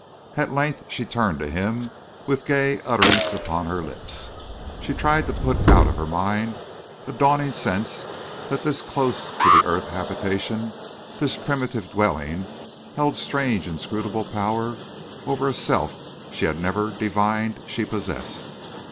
At length she turned to him with gay utterance upon her lips. She tried to put out of her mind a dawning sense that this close to the earth habitation, this primitive dwelling, held strange inscrutable power over a self she had never divined she possessed.